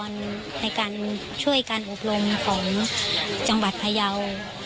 ในการช่วยการอบรมของจังหวัดพยาว